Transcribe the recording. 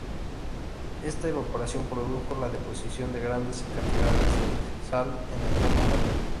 Esta evaporación produjo la deposición de grandes cantidades de sal en el fondo marino.